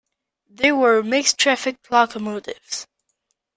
They were mixed-traffic locomotives.